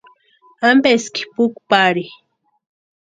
¿Ampeski puki pari?